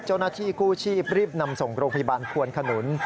เจ้าหน้าที่กู้ชีพรีบนำส่งโรงพยาบาลควนขนุน